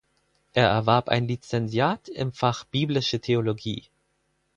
Er erwarb ein Lizenziat im Fach Biblische Theologie.